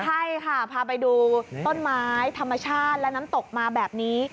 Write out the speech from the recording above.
ใช่ค่ะพาไปดูต้นไม้ธรรมชาติและน้ำตกมาแบบนี้